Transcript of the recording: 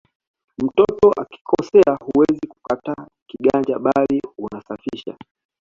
Mtoto akikosea huwezi kukata kiganja bali unasafisha